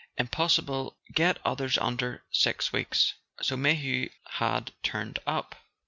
Impossible get others under six weeks." So Mayhew had turned up